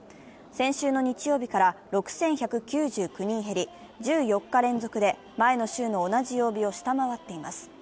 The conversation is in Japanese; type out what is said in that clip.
先週の日曜日から６１９９人減り、１４日連続で前の週の同じ曜日を下回っています。